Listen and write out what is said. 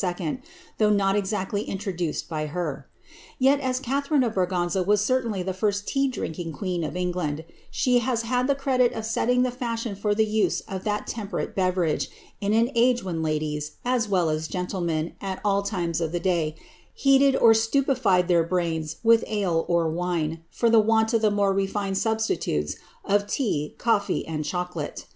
though not exactly introduced by her.' Yet, as Catharine of Braganza was certainly the first tea drinkinf queen of England, she has had ^he credit of setting the fashion for the use of that temperate beverage, in an age when ladies, as well as gentle men, at all times of the day, heated or stupified their brains with ale or wine, for the want of the more reHned substitutes of tea, cofiee, ami ._ chocolate.'